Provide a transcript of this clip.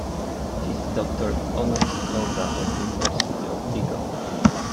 He is Doctor Honoris Causa of the University of Vigo.